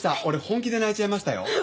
俺本気で泣いちゃいましたよ。